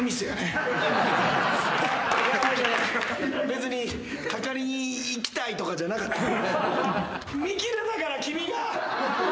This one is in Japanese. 別にかかりに行きたいとかじゃなかった。